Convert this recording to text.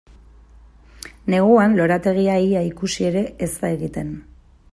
Neguan lorategia ia ikusi ere e da egiten.